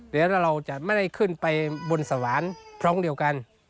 เดี๋ยวเราจะไม่ได้ขึ้นไปบนสวรรค์พร้อมเดียวกัน